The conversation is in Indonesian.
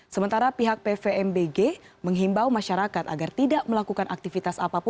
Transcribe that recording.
sementara pihak pvmbg menghimbau masyarakat agar tidak melakukan aktivitas apapun